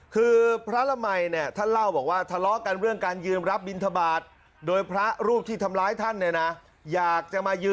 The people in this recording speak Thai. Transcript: ต่อมารมพโทไปแจ้งครับโทไปแจ้งกู้ภัยให้นำตัวพระอมัย